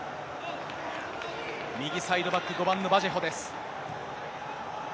右サイドバック、５番のバジェホです。